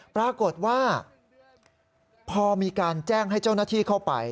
ปรากฏว่าพอมีการแจ้งให้เจ้าหน้าที่เข้าไป